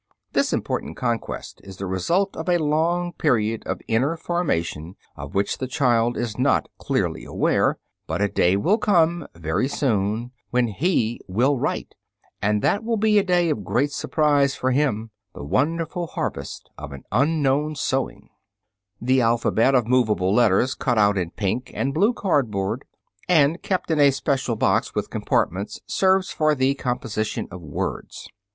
This important conquest is the result of a long period of inner formation of which the child is not clearly aware. But a day will come very soon when he will write, and that will be a day of great surprise for him the wonderful harvest of an unknown sowing. [Illustration: FIG. 31. BOX OF MOVABLE LETTERS.] The alphabet of movable letters cut out in pink and blue cardboard, and kept in a special box with compartments, serves "for the composition of words."